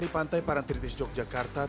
pantai parantritis yogyakarta